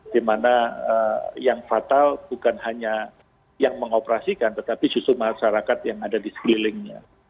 di mana yang fatal bukan hanya yang mengoperasikan tetapi justru masyarakat yang ada di sekelilingnya